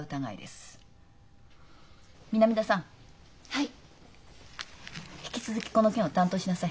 はい。